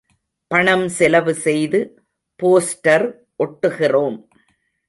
பணம் செலவு செய்து போஸ்டர் ஒட்டுகிறோம்.